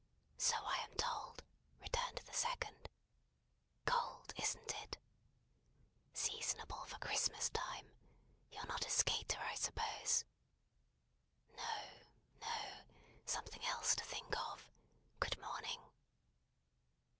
"So I am told," returned the second. "Cold, isn't it?" "Seasonable for Christmas time. You're not a skater, I suppose?" "No. No. Something else to think of. Good morning!"